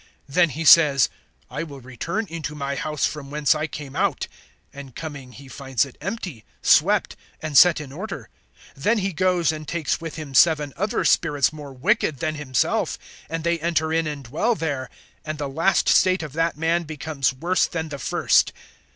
(44)Then he says, I will return into my house from whence I came out and coming he finds it empty, swept, and set in order. (45)Then he goes, and takes with him seven other spirits more wicked than himself, and they enter in and dwell there; and the last state of that man becomes worse than the first.